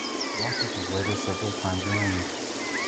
The office was later several times renamed.